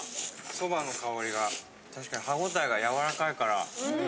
そばの香りが確かに歯ごたえがやわらかいから。